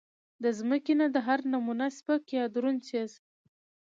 د زمکې نه د هر نمونه سپک يا درون څيز